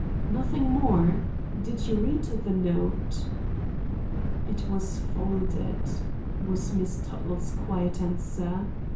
"Nothing more? Did you read the note?" "It was folded," was Miss Tuttle's quiet answer.